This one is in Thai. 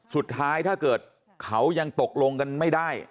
ถ้าเกิดเขายังตกลงกันไม่ได้